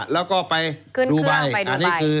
แล้วก็ไปดูไบ